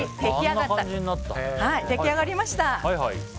出来上がりました。